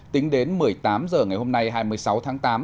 tính đến một mươi tám h ngày hôm nay hai mươi sáu tháng tám